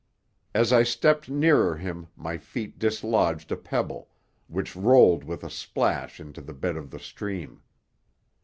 As I stepped nearer him my feet dislodged a pebble, which rolled with a splash into the bed of the stream.